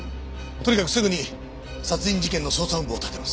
とにかくすぐに殺人事件の捜査本部を立てます。